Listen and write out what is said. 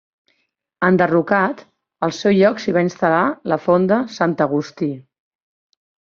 Enderrocat, al seu lloc s'hi va instal·lar la Fonda Sant Agustí.